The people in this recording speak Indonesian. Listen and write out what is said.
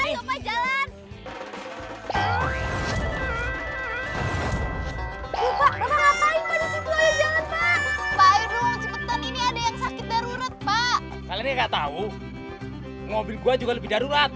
ini ada yang sakit darurat pak kali ini enggak tahu mobil gue juga lebih darurat